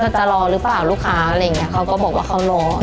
จะรอหรือเปล่าลูกค้าอะไรอย่างเงี้เขาก็บอกว่าเขารอ